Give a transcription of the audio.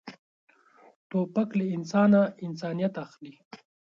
توپک له انسانه انسانیت اخلي.